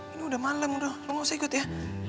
ini udah malem lo gak usah ikut ya